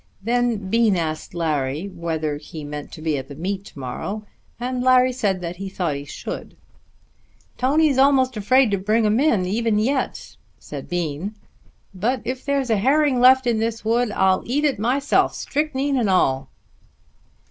Then Bean asked Larry whether he meant to be at the meet to morrow, and Larry said that he thought he should. "Tony's almost afraid to bring them in even yet," said Bean; "but if there's a herring left in this wood, I'll eat it myself strychnine and all."